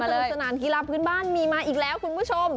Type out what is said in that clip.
สนุกสนานกีฬาพื้นบ้านมีมาอีกแล้วคุณผู้ชม